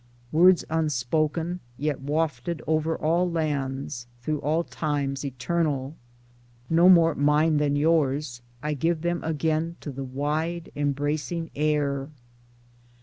Words unspoken, yet wafted over all lands, through all times, eternal ; no more mine than yours — 1 give them again to the wide embracing Air.